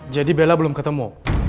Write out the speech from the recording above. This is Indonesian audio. jadi bella belum ketemu